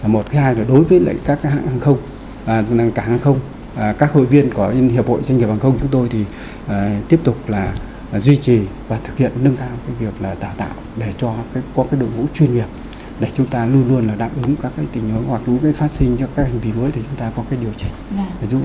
một cái hai là đối với lại các hàng không các hội viên của hiệp hội doanh nghiệp hàng không chúng tôi thì tiếp tục là duy trì và thực hiện đương thang cái việc là tạo tạo để cho có cái đội ngũ chuyên nghiệp để chúng ta luôn luôn là đáp ứng các cái tình huống hoặc những cái phát sinh cho các hành vi mới thì chúng ta có cái điều chỉnh